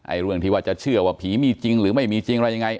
เรื่องที่ว่าจะเชื่อว่าผีมีจริงหรือไม่มีจริงอะไรยังไง